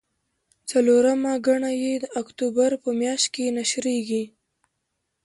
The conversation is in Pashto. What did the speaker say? څلورمه ګڼه یې د اکتوبر په میاشت کې نشریږي.